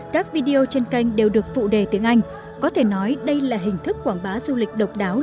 các video trên kênh đều được phụ đề tiếng anh có thể nói đây là hình thức quảng bá du lịch độc đáo